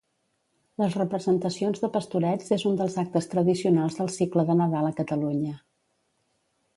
Les representacions de pastorets és un dels actes tradicionals del cicle de Nadal a Catalunya.